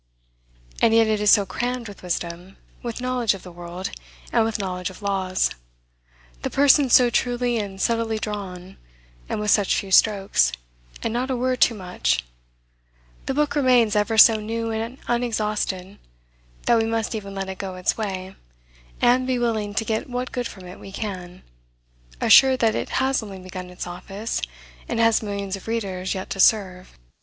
And yet it is so crammed with wisdom, with knowledge of the world, and with knowledge of laws; the persons so truly and subtly drawn, and with such few strokes, and not a word too much, the book remains ever so new and unexhausted, that we must even let it go its way, and be willing to get what good from it we can, assured that it has only begun its office, and has millions of readers yet to serve.